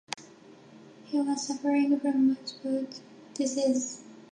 He was suffering from multiple diseases.